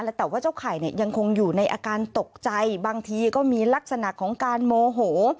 แต่ว่าเจ้าไข่เนี่ยยังคงอยู่ในอาการตกใจบางทีก็มีลักษณะของการโมโห